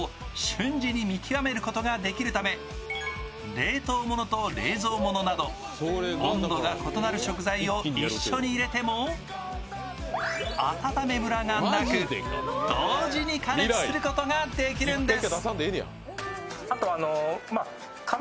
冷凍ものと冷蔵ものなど温度が異なる食材を一緒に入れても温めムラがなく同時に加熱することができるんです。